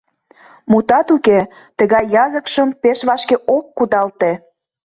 Мутат уке, тыгай языкшым пеш вашке ок кудалте.